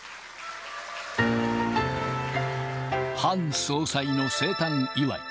ハン総裁の生誕祝い。